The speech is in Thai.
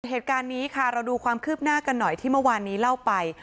เหตุการณ์นี้ค่ะเราดูความคืบหน้ากันหน่อยที่เมื่อวานนี้เล่าไป